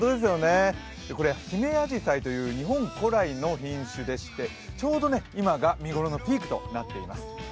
これ、ヒメアジサイという日本古来の品種でしてちょうど今が見頃のピークとなっています。